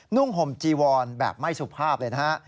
่งห่มจีวอนแบบไม่สุภาพเลยนะฮะ